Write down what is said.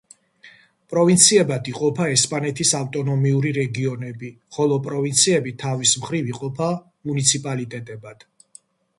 პროვინციებად იყოფა ესპანეთის ავტონომიური რეგიონები, ხოლო პროვინციები თავის მხრივ იყოფა მუნიციპალიტეტებად.